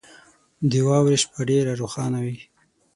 • د واورې شپه ډېره روښانه وي.